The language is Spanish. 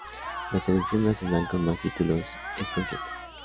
La selección nacional con más títulos es con siete.